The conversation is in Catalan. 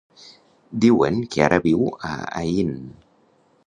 Diuen que ara viu a Aín.